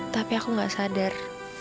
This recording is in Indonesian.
tapi aku gak sadar